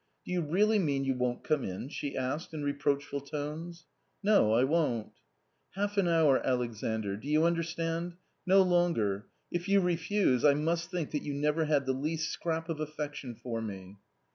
" Do you really mean you won't come in ?" she asked in reproachful tones. "No, I won't/' " Half an hour, Alexandr, do you understand ; no longer. If you refuse, I must think that you never had the least scrap of affection for me."